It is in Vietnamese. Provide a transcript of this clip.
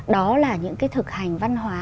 đó là những thực hành văn hóa